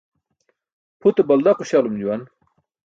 Pʰute balda quśalum juwan.